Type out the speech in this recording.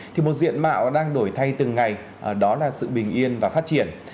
thì một diện mạo đang đổi thay từng ngày đó là sự bình yên và phát triển